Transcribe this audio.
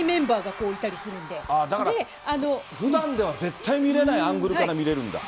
だから、ふだんでは絶対見れないアングルから見れるんだ？